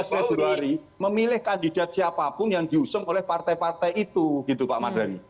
dua belas februari memilih kandidat siapapun yang diusung oleh partai partai itu gitu pak mardhani